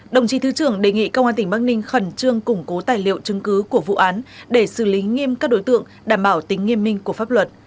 đồng chí thứ trưởng đề nghị công an tỉnh bắc ninh khẩn trương củng cố tài liệu chứng cứ của vụ án để xử lý nghiêm các đối tượng đảm bảo tính nghiêm minh của pháp luật